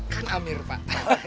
khan amir pak